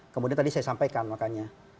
kemudian tadi saya sampaikan makanya